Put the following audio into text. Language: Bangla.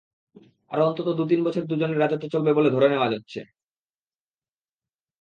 আরও অন্তত দু-তিন বছর দুজনের রাজত্ব চলবে বলে ধরে নেওয়া হচ্ছে।